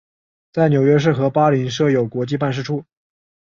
在纽约市和巴林设有国际办事处。